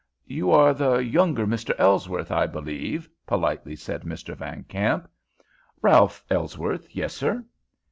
"You are the younger Mr. Ellsworth, I believe," politely said Mr. Van Kamp. "Ralph Ellsworth. Yes, sir."